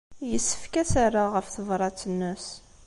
Yessefk ad as-rreɣ ɣef tebṛat-nnes.